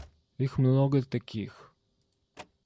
Их много таких.